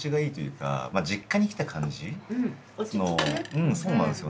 うんそうなんですよ